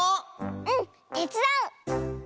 うんてつだう！